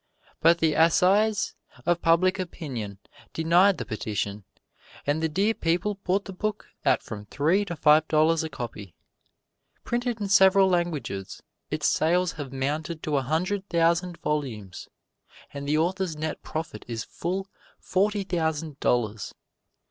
But the Assize of Public Opinion denied the petition, and the dear people bought the book at from three to five dollars a copy. Printed in several languages, its sales have mounted to a hundred thousand volumes, and the author's net profit is full forty thousand dollars.